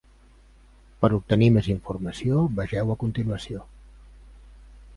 Per obtenir més informació, vegeu a continuació.